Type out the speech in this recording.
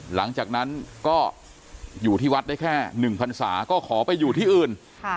หลังจากนั้นก็อยู่ที่วัดได้แค่๑พันศาก็ขอไปอยู่ที่อื่น